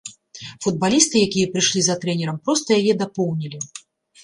Футбалісты, якія прыйшлі за трэнерам, проста яе дапоўнілі.